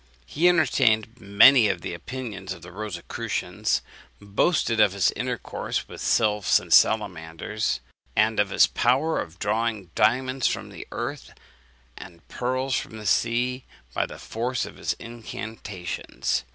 He entertained many of the opinions of the Rosicrucians; boasted of his intercourse with sylphs and salamanders; and of his power of drawing diamonds from the earth, and pearls from the sea, by the force of his incantations.